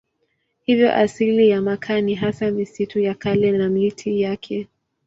Hivyo asili ya makaa ni hasa misitu ya kale na miti yake.